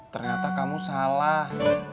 ternyata kamu salah